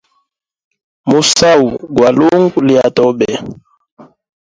Musau gwa lungu lya tobe.